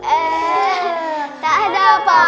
eh tak ada apa